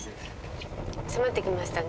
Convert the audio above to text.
迫ってきましたね